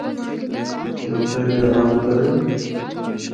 کہ او پہلے آرام کرّے۔